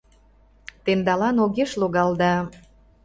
Тендалан огеш логал да